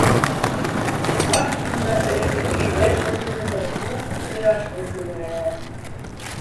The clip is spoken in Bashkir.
Баш осонда тереклеккә йән өрөүсе тыныслыҡ ҡояшы көлә...